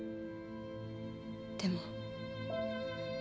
でも。